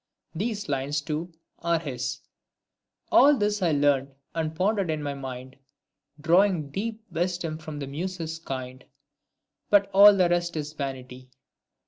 These lines, too, are his :— All this I learnt and pondered in my mind, Drawing deep wisdom from the Muses kind, But all the rest is vanity.